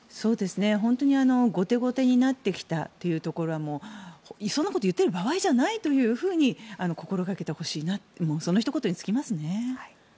本当に後手後手になってきたというところもそんなことを言っている場合じゃないということも心掛けてほしいなとそのひと言に尽きますね。